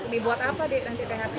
dibuat apa dik nanti thr